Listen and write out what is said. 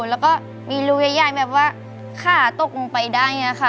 แล้วก็มีรูใหญ่แบบว่าขาตกลงไปได้อย่างนี้ค่ะ